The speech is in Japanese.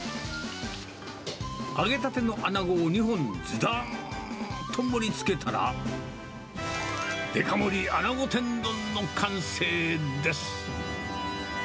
揚げたてのあなごを２本ずどーんと盛りつけたら、デカ盛りあなご天丼の完成です。